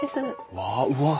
うわうわっ！